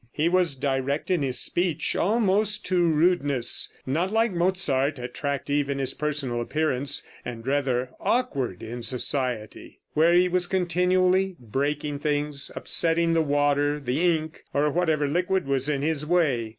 He was direct in his speech, almost to rudeness, not, like Mozart, attractive in his personal appearance, and rather awkward in society, where he was continually breaking things, upsetting the water, the ink, or whatever liquid was in his way.